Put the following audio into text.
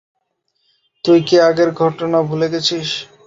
তুই কি আগের ঘটনা ভুলে গেছিস?